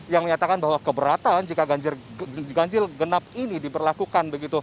yang menyatakan bahwa keberatan jika ganjil genap ini diberlakukan